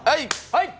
はい！